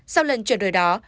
sau lần chuyển đổi đó